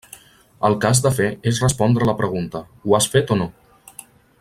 El que has de fer és respondre la pregunta, ho has fet o no?